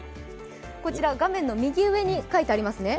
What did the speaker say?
こちら、画面の右上に書いてありますね。